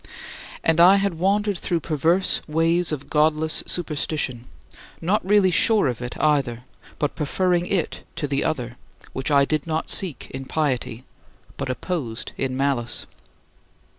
And I had wandered through perverse ways of godless superstition not really sure of it, either, but preferring it to the other, which I did not seek in piety, but opposed in malice.